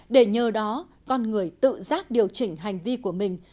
để nhờ đó con người tự giác điều chỉnh hành vi của mình